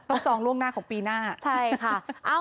ต้องจองล่วงหน้าของปีหน้า